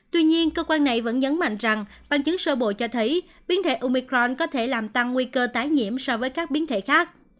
tuy nhiên cơ quan này vẫn nhấn mạnh rằng bằng chứng sơ bộ cho thấy biến thể umicron có thể làm tăng nguy cơ tái nhiễm so với các biến thể khác